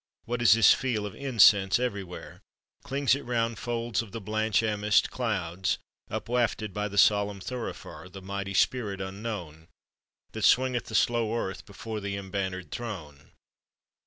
What is this feel of incense everywhere? Clings it round folds of the blanch amiced clouds, Upwafted by the solemn thurifer, The mighty Spirit unknown, That swingeth the slow earth before the embannered Throne?